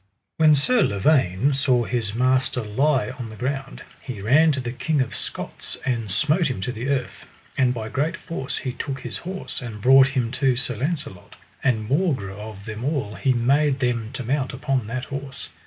When Sir Lavaine saw his master lie on the ground, he ran to the King of Scots and smote him to the earth; and by great force he took his horse, and brought him to Sir Launcelot, and maugre of them all he made him to mount upon that horse.